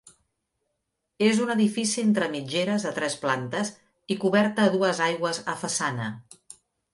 És un edifici entre mitgeres de tres plantes i coberta a dues aigües a façana.